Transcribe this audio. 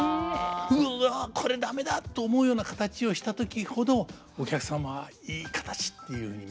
「うわこれ駄目だ」と思うような形をした時ほどお客様はいい形っていうふうに見てくれる。